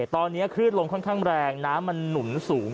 ตอนนี้คลื่นลมค่อนข้างแรงน้ำมันหนุนสูง